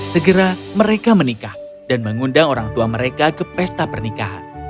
segera mereka menikah dan mengundang orang tua mereka ke pesta pernikahan